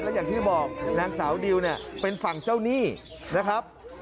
อย่างที่บอกนางสาวดิวเนี่ยเป็นฝั่งเจ้าหนี้นะครับ